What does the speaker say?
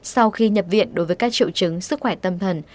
sau khi nhập viện đối với các triệu chứng sức khỏe tâm thần